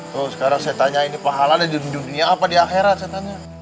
terus sekarang saya tanya ini pahalanya di dunia apa di akhirat saya tanya